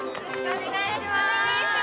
お願いします